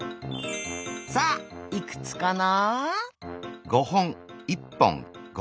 さあいくつかな？